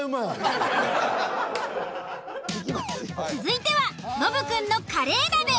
続いてはノブくんのカレー鍋。